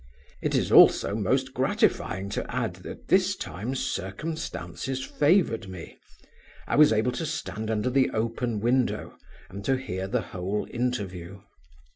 It is also most gratifying to add that this time circumstances favored me. I was able to stand under the open window and to hear the whole interview.